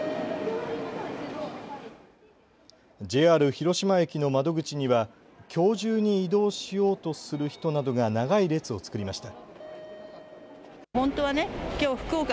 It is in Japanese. ＪＲ広島駅の窓口にはきょう中に移動しようとする人などが長い列を作りました。